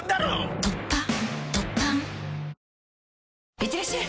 いってらっしゃい！